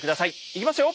いきますよ！